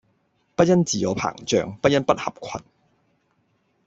不因自我膨漲，不因不合群